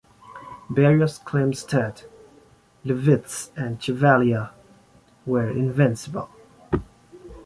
Barrios claims that "Lubitsch and Chevalier were invincible".